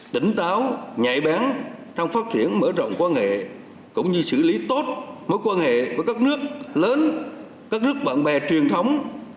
tỉnh táo nhạy bén trong phát triển mở rộng quan hệ cũng như xử lý tốt mối quan hệ với các nước lớn các nước bạn bè truyền thống